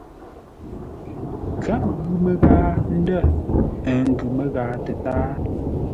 Gháp ghʉ məghaa ndə̂, ə́ ngʉ̌ məghaa tətáa.